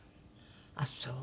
ああそう。